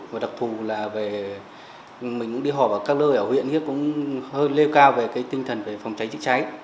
và đặc thù là về mình cũng đi họp ở các nơi ở huyện cũng hơi lêu cao về cái tinh thần về phòng cháy chích cháy